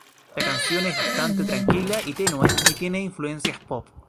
La canción es bastante tranquila y tenue, y tiene influencias pop.